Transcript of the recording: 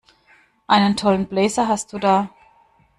Einen tollen Blazer hast du da!